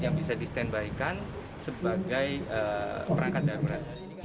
yang bisa disetainbaikan sebagai perangkat darurat